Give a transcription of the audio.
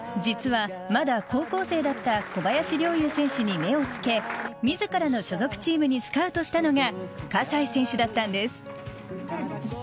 実は、まだ高校生だった小林陵侑選手に目をつけ、みずからの所属チームにスカウトしたのが、葛西選手だったんです。